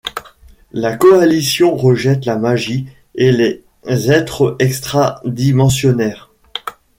La Coalition rejette la magie et les êtres extra-dimensionnaires.